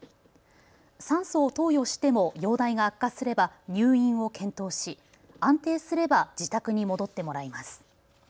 酸素を投与しても容体が悪化すれば入院を検討し安定すれば自宅に戻ってもらいます。